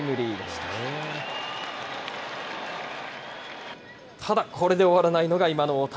ただ、これで終わらないのが今の大谷。